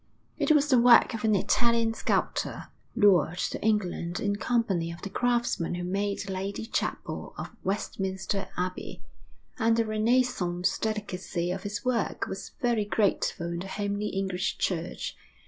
It was the work of an Italian sculptor, lured to England in company of the craftsmen who made the lady chapel of Westminster Abbey; and the renaissance delicacy of its work was very grateful in the homely English church.